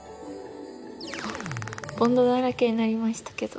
ボンドだらけになりましたけど。